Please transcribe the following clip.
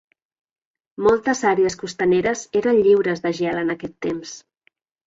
Moltes àrees costaneres eren lliures de gel en aquest temps.